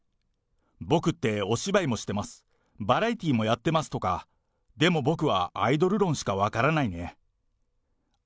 僕ってお芝居もしてます、バラエティーもやってますとか、でも僕はアイドル論しか分からないね。